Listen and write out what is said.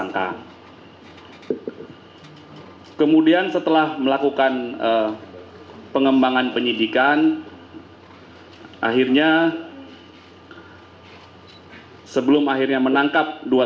jadi supaya kami dapat memaafkan biraz dgn otak otak